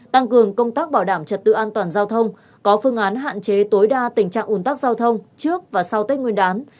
tăng cường công tác bảo đảm trật tự an toàn giao thông có phương án hạn chế tối đa tình trạng ủn tắc giao thông trước và sau tết nguyên đán